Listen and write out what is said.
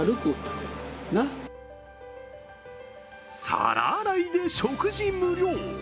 皿洗いで食事無料。